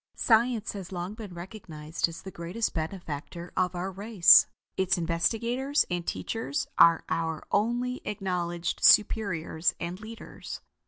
Science has long been recognized as the greatest benefactor of our race. Its investigators and teachers are our only acknowledged superiors and leaders.